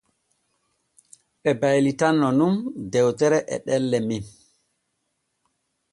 Ɓe baylitanno nun dewtere e ɗelle men.